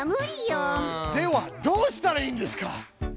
ではどうしたらいいんですか？